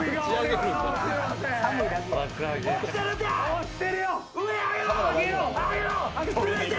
落ちてるて！